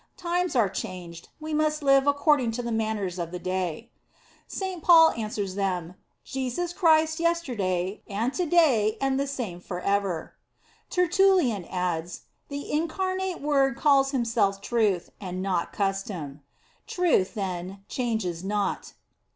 Times are changed; we must live according to the manners of the day." St Paul answers them: Jesus Christ yester day, and to day and the same forever. Tertullian adds: The Incarnate Word calls Himself Truth, and not Custom. Truth, then changes not.